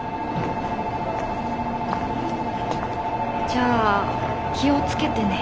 じゃあ気をつけてね。